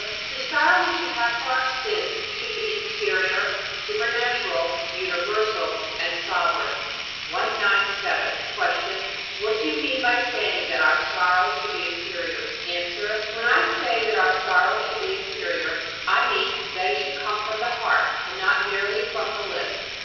The sorrow we should have for our sins should be interior, supernatural, universal, and sovereign. 197. Q. What do you mean by saying that our sorrow should be interior? A. When I say that our sorrow should be interior, I mean that it should come from the heart, and not merely from the lips.